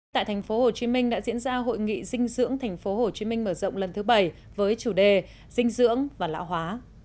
tại tp hcm đã diễn ra hội nghị dinh dưỡng tp hcm mở rộng lần thứ bảy với chủ đề dinh dưỡng và lão hóa